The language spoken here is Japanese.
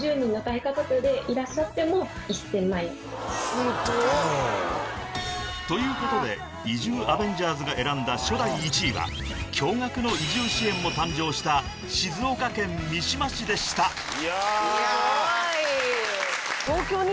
すごい！ということで移住アベンジャーズが選んだ初代１位は驚愕の移住支援も誕生した静岡県三島市でしたすごい！